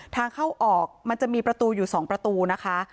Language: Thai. ทางเข้าออกมันจะมีประตูอยู่๒ประตูนะคะ